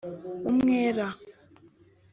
umwera